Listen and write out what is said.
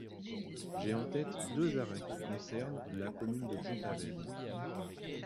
J’ai en tête deux arrêts qui concernent la commune de Pont-Aven.